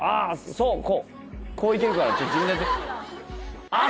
そうこうこういけるからちょっと自分でやってああ！